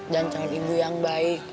dan calon ibu yang baik